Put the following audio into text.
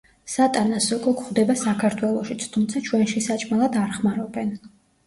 სატანას სოკო გვხვდება საქართველოშიც, თუმცა ჩვენში საჭმელად არ ხმარობენ.